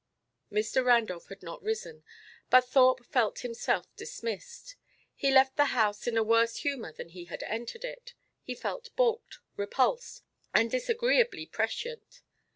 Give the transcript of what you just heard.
Mr. Randolph had not risen, but Thorpe felt himself dismissed. He left the house in a worse humour than he had entered it. He felt balked, repulsed, and disagreeably prescient.